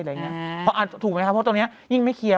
เพราะถูกไหมครับเพราะตอนนี้ยิ่งไม่เคลียร์